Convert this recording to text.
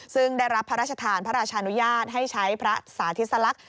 ซึ่งได้รับพระราชทานพระราชานุญาตให้ใช้พระสาธิสลักษณ